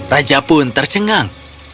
raja pun tercengang